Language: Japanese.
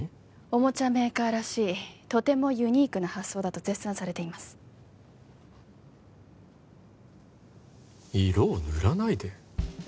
おもちゃメーカーらしいとてもユニークな発想だと絶賛されています色を塗らないで？